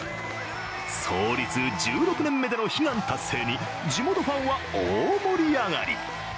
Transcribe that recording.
創立１６年目での悲願達成に地元ファンは大盛り上がり。